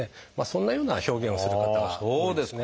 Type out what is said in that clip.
そんなような表現をする方が多いです。